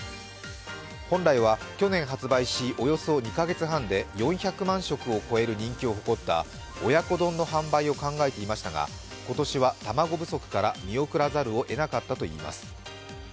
本来は去年発売しおよそ２か月半で４００万色を超える人気を誇った親子丼の販売を考えていましたが今年は卵不足から見送らざるをえなかったといいます。